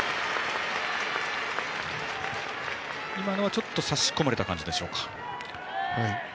今のはちょっと差し込まれた感じか。